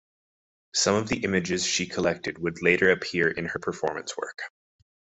Some of the images she collected would later appear in her performance work.